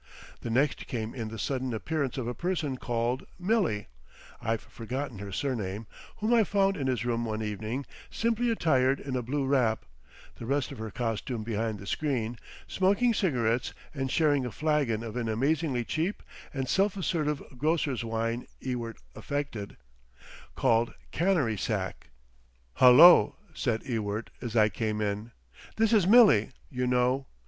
The next came in the sudden appearance of a person called "Milly"—I've forgotten her surname—whom I found in his room one evening, simply attired in a blue wrap—the rest of her costume behind the screen—smoking cigarettes and sharing a flagon of an amazingly cheap and self assertive grocer's wine Ewart affected, called "Canary Sack." "Hullo!" said Ewart, as I came in. "This is Milly, you know.